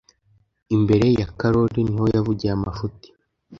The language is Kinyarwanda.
Imbere ya korari niho yavugiye amafuti